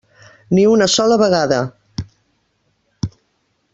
Ni una sola vegada.